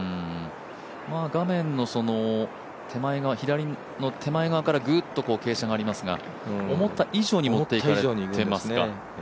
画面の左の手前側からグッと傾斜がありますが思った以上にいってますか。